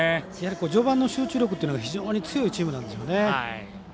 序盤の集中力というのが非常に強いチームなんですよね。